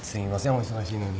お忙しいのに。